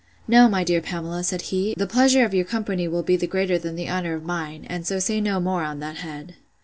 No, my dear Pamela, said he; the pleasure of your company will be greater than the honour of mine; and so say no more on that head.